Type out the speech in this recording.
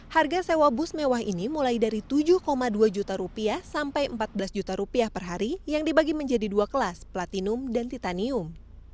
harga sewa bus mewah ini mulai dari tujuh dua juta rupiah sampai empat belas juta rupiah per hari yang dibagi menjadi dua kelas platinum dan titanium